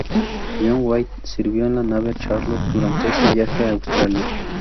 John White sirvió en la nave "Charlotte" durante ese viaje a Australia.